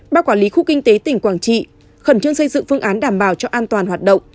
ba quản lý khu kinh tế tỉnh quảng trị khẩn trương xây dựng phương án đảm bảo cho an toàn hoạt động